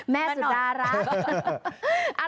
แม่สุดารัก